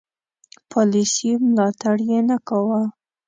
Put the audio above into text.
پالیسي ملاتړ یې نه کاوه.